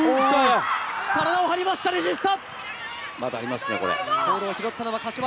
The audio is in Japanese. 体を張りましたレジスタ。